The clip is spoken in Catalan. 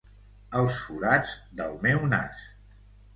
Els forats del meu nas.